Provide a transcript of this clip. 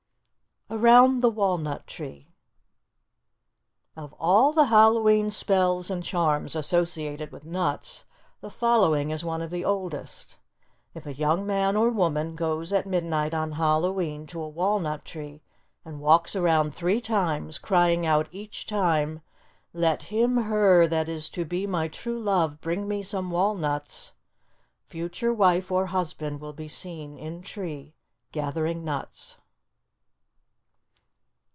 AROUND THE WALNUT TREE Of all Hallow e'en spells and charms associated with nuts, the following is one of the oldest: If a young man or woman goes at midnight on Hallow e'en to a walnut tree and walks around three times, crying out each time, "Let him (her) that is to be my true love bring me some walnuts," future wife or husband will be seen in tree gathering nuts.